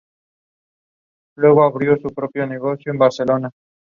Su consumo de drogas y la promiscuidad influyó en su imagen pública.